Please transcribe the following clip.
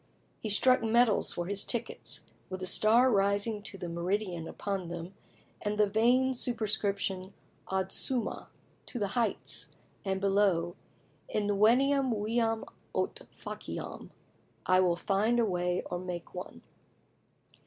He struck medals for his tickets, with a star rising to the meridian upon them, and the vain superscription "Ad summa" ("To the heights"), and below, "Inveniam viam aut faciam" ("I will find a way or make one").